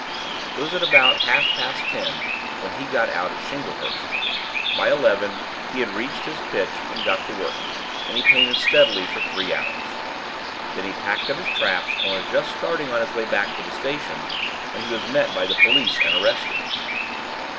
"It was about half past ten when he got out at Shinglehurst; by eleven he had reached his pitch and got to work, and he painted steadily for three hours. Then he packed up his traps, and was just starting on his way back to the station, when he was met by the police and arrested.